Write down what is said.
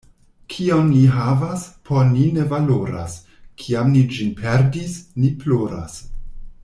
Kion ni havas, por ni ne valoras; kiam ni ĝin perdis, ni ploras.